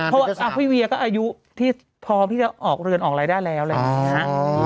เพราะอภิเวียก็อายุที่พอที่จะออกเรือนออกรายได้แล้วแหละอ๋อ